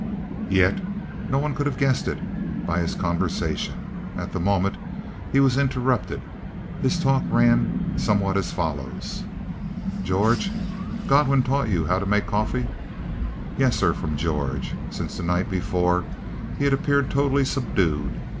Yet no one could have guessed it by his conversation. At the moment he was interrupted, his talk ran somewhat as follows. "George, Godwin taught you how to make coffee?" "Yes, sir," from George. Since the night before he had appeared totally subdued.